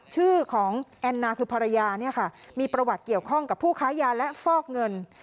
ชื่อของแอนนาคือภรรยาเนี่ยค่ะมีประวัติเกี่ยวข้องกับผู้ค้ายาและฟอกเงิน